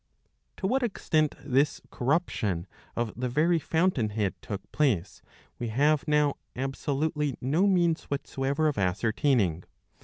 '' To what extent this corruption of the very fountain head took place, we have now absolutely no means whatsoever of ascertaining.